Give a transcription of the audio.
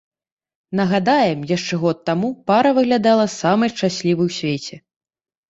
Нагадаем, яшчэ год таму пара выглядала самай шчаслівай у свеце.